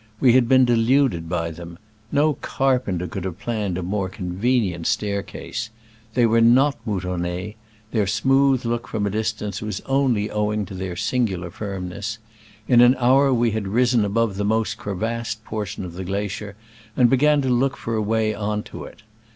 We had been deluded by them. No carpenter could have planned a more conve nient staircase. They were not moutonne: their smooth look from a dis tance was only owing to their singular firm ness. In an hour we had risen above the most crevassed portion of the glacier, and be gan to look for a way on to it.